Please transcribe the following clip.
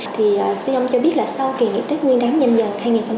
thì xin ông cho biết là sau kỳ nghỉ tết nguyên đáng nhanh dần hai nghìn hai mươi hai